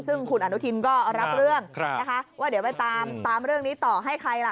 ซึ่งคุณอนุทินก็รับเรื่องนะคะว่าเดี๋ยวไปตามเรื่องนี้ต่อให้ใครล่ะ